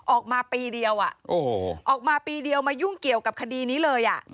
ออกมาปีเดียวออกมาปีเดียวมายุ่งเกี่ยวกับคดีนี้เลย